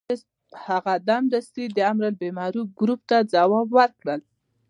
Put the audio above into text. هغه سمدستي د امر بالمعروف ګروپ ته ځواب ورکړ.